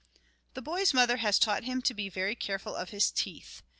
The boy's mother has taught him to be very careful of his teeth.